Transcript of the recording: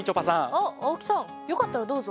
あっ青木さんよかったらどうぞ。